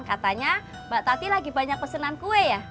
katanya mbak tati lagi banyak pesenan kue ya